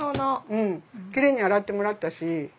うんキレイに洗ってもらったし。